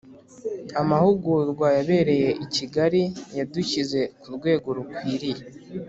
Amahugurwa yabereye I Kigali yadushyize ku rwego rukwiriye